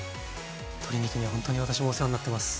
鶏肉にはほんとに私もお世話になってます。